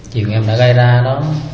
chịu em đã gây ra đó